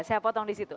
saya potong di situ